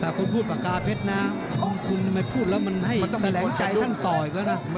แต่คุณพูดปากกาเพชรนะคุณทำไมพูดแล้วมันให้แสลงใจท่านต่ออีกแล้วนะ